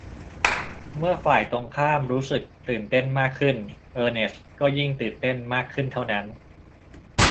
เมื่อฝ่ายตรงข้ามรู้สึกตื่นเต้นมากขึ้น เออร์เนสต์ก็ยิ่งตื่นเต้นมากขึ้นเท่านั้น